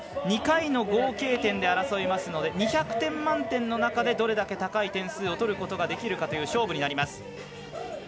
２回の合計点で争いますので２００点満点の中で、どれだけ高い点数を取れるかという勝負になります。